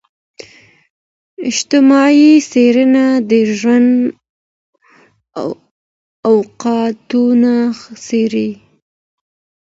اجتماعي څېړنه د ژوند واقعتونه څیړي.